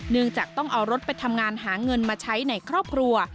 จากต้องเอารถไปทำงานหาเงินมาใช้ในครอบครัว